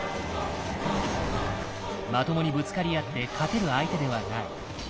まともにぶつかり合って勝てる相手ではない。